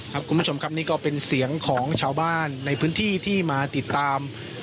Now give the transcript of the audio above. คุณผู้ชมครับนี่ก็เป็นเสียงของชาวบ้านในพื้นที่ที่มาติดตาม